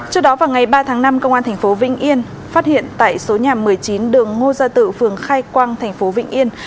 trước đó vào ngày ba tháng năm công an thành phố vĩnh yên phát hiện tại số nhà một mươi chín đường ngô gia tự phường khai quang thành phố vĩnh yên